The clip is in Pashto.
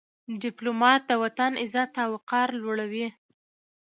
ډيپلومات د وطن عزت او وقار لوړوي.